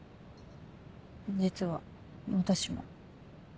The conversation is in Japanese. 実は私も。